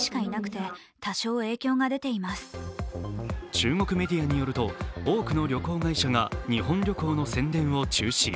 中国メディアによると多くの旅行会社が日本旅行の宣伝を中止。